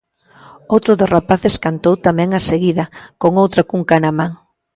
Outro dos rapaces cantou tamén a seguida, con outra cunca na man.